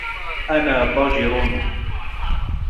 أنا ضجر!